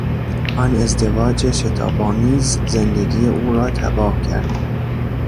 آن ازدواج شتاب آمیز زندگی او را تباه کرد.